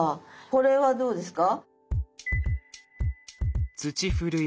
これはどうですか？